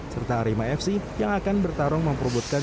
serta arima fc yang akan bertarung memperebutkan